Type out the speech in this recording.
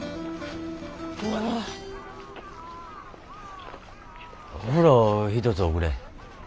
お風呂ひとつおくれ。